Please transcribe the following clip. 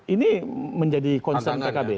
ini menjadi concern pkb